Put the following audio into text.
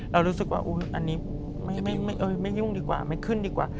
เรารู้สึกว่าอันนี้ไม่ยุ่งดีกว่าไม่ขึ้นดีกว่า